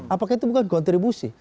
apakah itu bukan kontribusi